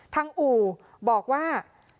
อู่บอกว่า